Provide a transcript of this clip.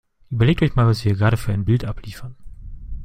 Überlegt euch mal, was wir hier gerade für ein Bild abliefern!